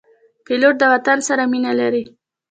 پیلوټ د وطن سره مینه لري.